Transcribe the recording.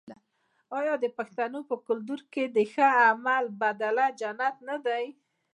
آیا د پښتنو په کلتور کې د ښه عمل بدله جنت نه دی؟